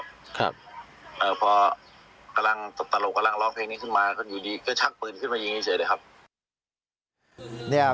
ครับเอ่อพอกำลังตบตลกกำลังร้องเพลงนี้ขึ้นมาก็อยู่ดีก็ชักปืนขึ้นมายิงเฉยเลยครับ